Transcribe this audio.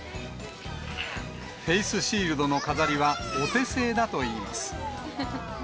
フェイスシールドの飾りは、お手製だといいます。